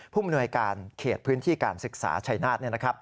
มนวยการเขตพื้นที่การศึกษาชัยนาธ